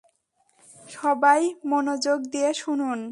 সবাই মনোযোগ দিয়ে শুনুন।